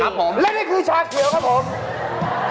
ผมและนี่คือชาเขียวครับผม